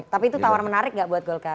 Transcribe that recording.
tapi itu tawaran menarik gak buat golkar